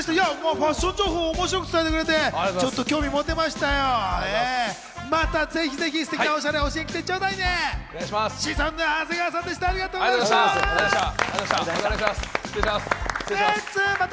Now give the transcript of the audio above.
ファッション情報を面白く伝えてくれて、興味が持てました。